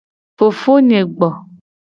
Fofonye gbo.